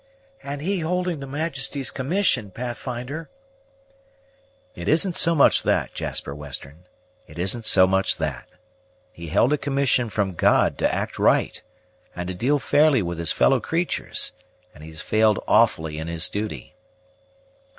"And he holding his Majesty's commission, Pathfinder!" "It isn't so much that, Jasper Western, it isn't so much that. He held a commission from God to act right, and to deal fairly with his fellow creaturs, and he has failed awfully in his duty."